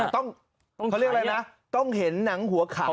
ต้องเขาเรียกอะไรนะต้องเห็นหนังหัวเข่า